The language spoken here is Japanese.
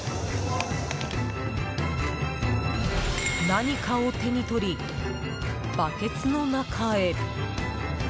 何かを手にとりバケツの中へ。